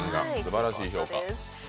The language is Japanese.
すばらしい評価。